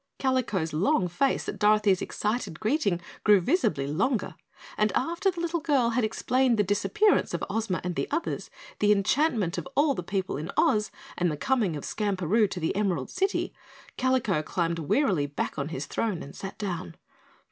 Kalico's long face at Dorothy's excited greeting grew visibly longer, and after the little girl had explained the disappearance of Ozma and the others, the enchantment of all the people in Oz, and the coming of Skamperoo to the Emerald City, Kalico climbed wearily back on his throne and sat down.